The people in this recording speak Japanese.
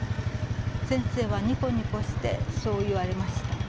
先生はニコニコしてそう言われました。